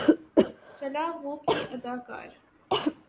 چھلاوہ کی اداکار